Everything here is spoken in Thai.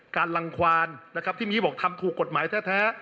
การลังควานนะครับที่มีบอกทำถูกกฎหมายแท้